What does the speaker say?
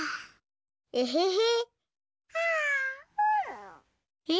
エヘヘ。